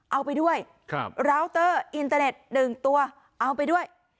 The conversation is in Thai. เอาไปด้วยราวเตอร์อินเตอร์เน็ต๑ตัวเอาไปด้วย